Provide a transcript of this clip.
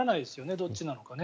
どっちなのかね。